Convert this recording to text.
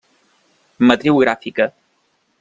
Matriu gràfica.